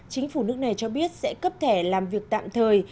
chính phủ nước này cho biết sẽ cấp thẻ làm việc tạm thời